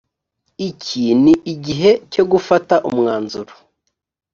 iki ni igihe cyo gufata umwanzuro